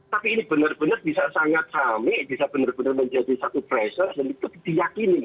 tapi ini benar benar bisa sangat rame bisa benar benar menjadi satu pressure dan itu diyakini